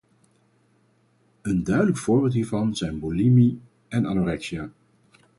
Een duidelijk voorbeeld hiervan zijn boulimie en anorexia.